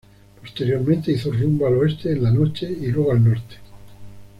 Posteriormente, hizo rumbo al oeste en la noche y luego al norte.